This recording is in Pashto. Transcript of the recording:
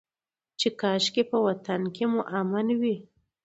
چې کاشکي په وطن کې مو امن وى.